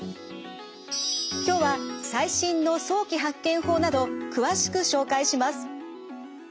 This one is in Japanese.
今日は最新の早期発見法など詳しく紹介します。